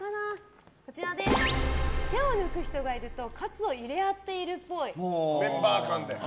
手を抜く人がいると活を入れあってるっぽい。